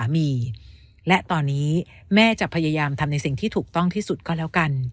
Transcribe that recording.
และตอนนี้แม่จะพยายามทำในสิ่งที่ถูกต้องที่สุดก็แล้วกัน